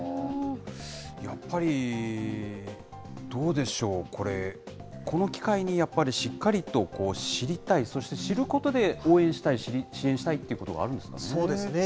やっぱり、どうでしょう、これ、この機会にやっぱりしっかりと知りたい、そして知ることで、応援したい、支援したいということがあるんですかね。